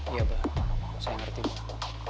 iya mbah saya ngerti mbah